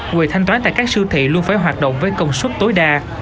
quầy thanh toán tại các siêu thị luôn phải hoạt động với công suất tối đa